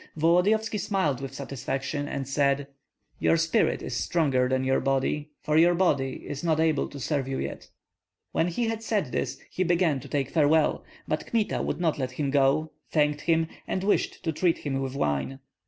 Volodyovski smiled with satisfaction and said, "Your spirit is stronger than your body, for the body is not able to serve you yet." When he had said this he began to take farewell; but Kmita would not let him go, thanked him, and wished to treat him with wine.